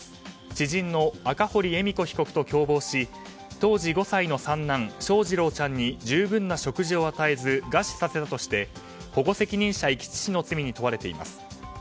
知人の赤堀恵美子被告と共謀し当時、５歳の三男翔士郎ちゃんに十分な食事を与えず餓死させたとして保護責任者遺棄致死の罪に問われています。